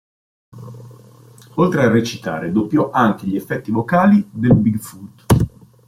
Oltre a recitare, doppiò anche gli effetti vocali del Bigfoot.